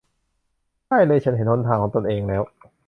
ใช่เลย ฉันเห็นหนทางของตนเองแล้ว